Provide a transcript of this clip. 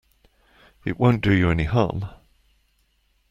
It won't do you any harm.